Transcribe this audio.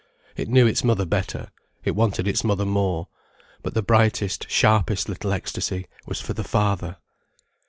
It knew its mother better, it wanted its mother more. But the brightest, sharpest little ecstasy was for the father.